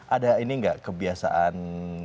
ada ini gak kebiasaan